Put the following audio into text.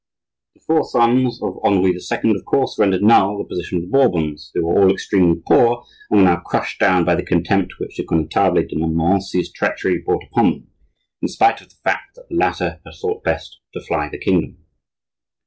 The four sons of Henri II. of course rendered null the position of the Bourbons, who were all extremely poor and were now crushed down by the contempt which the Connetable de Montmorency's treachery brought upon them, in spite of the fact that the latter had thought best to fly the kingdom.